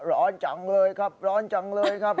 ร้อนจังเลยครับร้อนจังเลยครับ